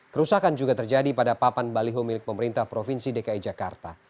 kerusakan juga terjadi pada papan baliho milik pemerintah provinsi dki jakarta